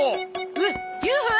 えっＵＦＯ？